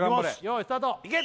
用意スタートいけ